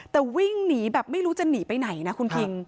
แต่วิ่งหนีแบบไม่รู้จะหนีไปไหนนะคุณคิง